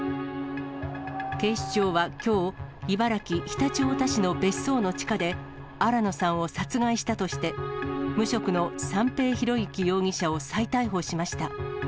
警視庁はきょう、茨城・常陸太田市の別荘の地下で新野さんを殺害したとして、無職の三瓶博幸容疑者を再逮捕しました。